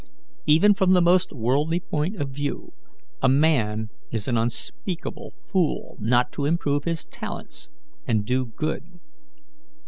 Even from the most worldly point of view, a man is an unspeakable fool not to improve his talents and do good.